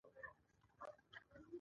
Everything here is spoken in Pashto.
ایا ستاسو ناکامي د زده کړې سبب شوه؟